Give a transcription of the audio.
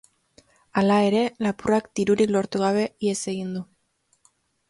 Hala ere, lapurrak dirurik lortu gabe ihes egin du.